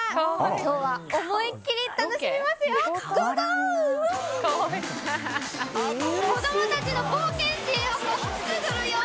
今日は思い切り楽しみますよ！